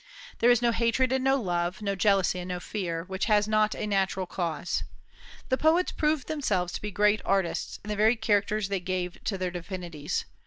There is no hatred and no love, no jealousy and no fear, which has not a natural cause. The poets proved themselves to be great artists in the very characters they gave to their divinities.